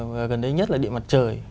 và gần đây nhất là điện mặt trời